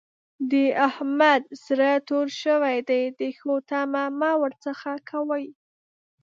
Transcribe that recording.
د احمد زړه تور شوی دی؛ د ښو تمه مه ور څځه کوئ.